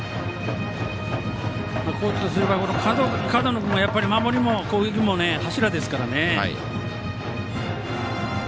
高知とすれば門野君が守りも攻撃も柱ですからね。